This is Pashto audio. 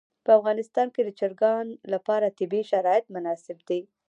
په افغانستان کې د چرګان لپاره طبیعي شرایط مناسب دي.